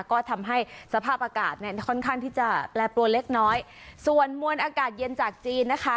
ก็ทำให้สภาพอากาศเนี่ยค่อนข้างที่จะแปรปรวนเล็กน้อยส่วนมวลอากาศเย็นจากจีนนะคะ